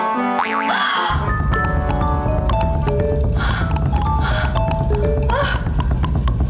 ih bibir gue kok jadi gini sih